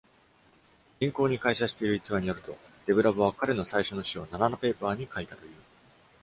人口に膾炙している逸話によると、デブラボは彼の最初の詩をナナナペーパーに書いたという。